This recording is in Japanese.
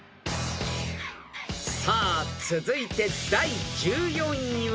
［さあ続いて第１４位は］